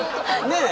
ねえ？